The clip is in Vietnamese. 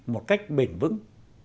một cách bền vững